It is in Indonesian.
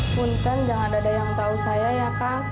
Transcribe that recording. mungkin jangan ada yang tahu saya ya kang